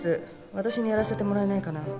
私にやらせてもらえないかな？